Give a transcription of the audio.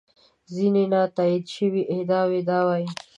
ځینې نا تایید شوې ادعاوې دا وایي.